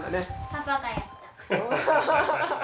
パパがやった。